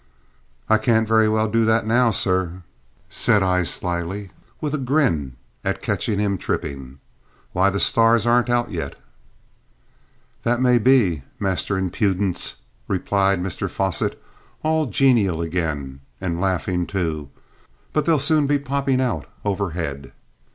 "I can't very well do that now, sir," said I slily, with a grin at catching him tripping. "Why, the stars aren't out yet." "That may be, Master Impudence," replied Mr Fosset, all genial again and laughing too; "but they'll soon be popping out overhead."